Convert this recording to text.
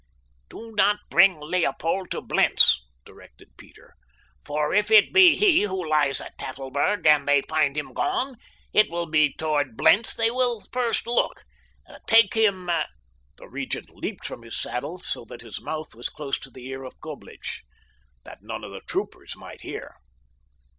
"Do not bring Leopold to Blentz," directed Peter, "for if it be he who lies at Tafelberg and they find him gone it will be toward Blentz that they will first look. Take him—" The Regent leaned from his saddle so that his mouth was close to the ear of Coblich, that none of the troopers might hear.